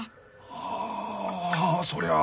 はあそりゃあ。